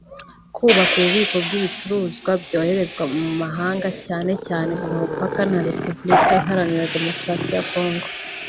kubaka ububiko bw’ibicuruzwa byoherezwa mu mahanga cyane cyane ku mupaka na Repubulika Iharanira Demokarasi ya Congo